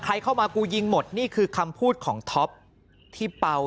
ใครเข้ามากูยิงหมดนี่คือคำพูดของท็อปที่เป่า